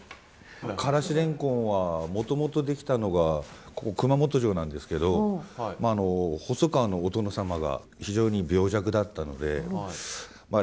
からしレンコンはもともとできたのがここ熊本城なんですけど細川のお殿様が非常に病弱だったのでまあ